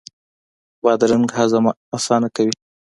بادرنګ هضم اسانه کوي.